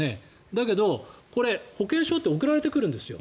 だけど、保険証って送られてくるんですよ。